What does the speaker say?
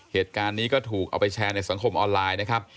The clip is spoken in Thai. เหตุการณ์นี้ก็ถูกเอาไปแชร์ในสังคมออนไลน์นะครับ